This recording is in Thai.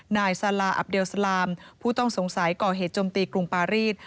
นายซาลาอับเดลสลามผู้ต้องสงสัยก่อเหตุจมตีกรุงปารีส